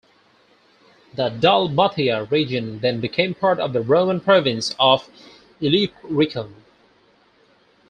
The Dalmatia region then became part of the Roman province of Illyricum.